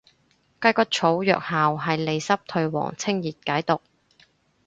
雞骨草藥效係利濕退黃清熱解毒